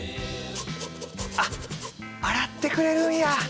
あっ洗ってくれるんや。